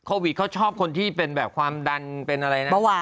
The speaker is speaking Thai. โควิดเขาชอบคนที่เป็นแบบความดันเป็นอะไรนะ